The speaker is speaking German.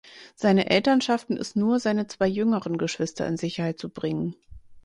Seine Eltern schafften es nur, seine zwei jüngeren Geschwister in Sicherheit zu bringen.